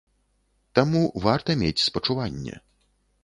Таму варта мець спачуванне.